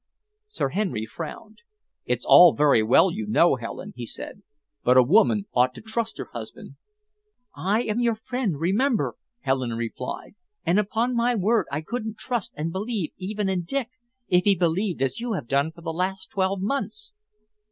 Sir Henry frowned. "It's all very well, you know, Helen," he said, "but a woman ought to trust her husband." "I am your friend, remember," Helen replied, "and upon my word, I couldn't trust and believe even in Dick, if he behaved as you have done for the last twelve months."